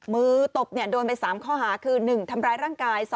ตบโดนไป๓ข้อหาคือ๑ทำร้ายร่างกาย